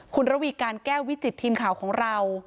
คุณระวีการแก้ววิจิตทีมข่าวของเรา